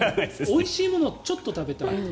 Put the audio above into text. おいしいものをちょっと食べたい。